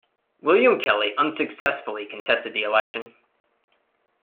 William Kelly unsuccessfully contested the election.